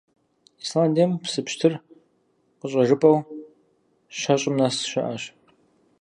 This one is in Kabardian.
Исландием псы пщтыр къыщӀэжыпӀэу щэщӏым нэс щыӀэщ.